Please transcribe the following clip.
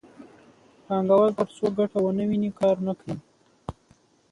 پانګوال ترڅو ګټه ونه ویني کار نه کوي